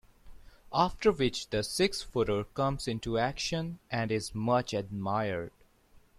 After which the six-footer comes into action and is much admired.